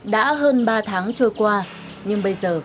đã hơn ba tháng trôi qua nhưng bây giờ